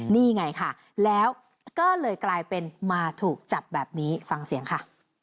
นี่ไงค่ะแล้วก็เลยกลายเป็นมาถูกจับแบบนี้ฟังเสียงค่ะ